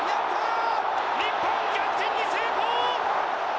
日本逆転に成功！